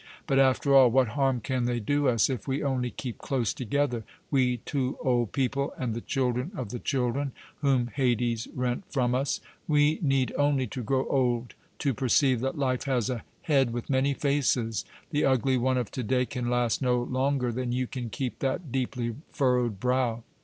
But, after all, what harm can they do us, if we only keep close together, we two old people and the children of the children whom Hades rent from us? We need only to grow old to perceive that life has a head with many faces. The ugly one of to day can last no longer than you can keep that deeply furrowed brow.